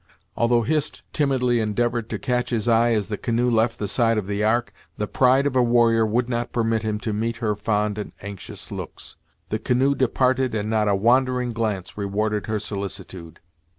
Although Hist timidly endeavored to catch his eye as the canoe left the side of the Ark, the pride of a warrior would not permit him to meet her fond and anxious looks. The canoe departed and not a wandering glance rewarded her solicitude.